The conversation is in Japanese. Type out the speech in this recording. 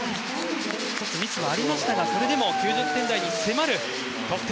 ミスはありましたがそれでも９０点台に迫る得点。